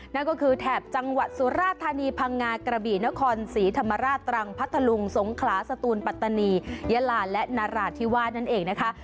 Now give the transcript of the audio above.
นั่นก็คือแถบจังหวัดสุราธานีพังงากระบี่นครศรีธรรมราชตรังพัทธลุงสงขลาสตูนปัตตานียะลาและนราธิวาสนั่นเองนะคะ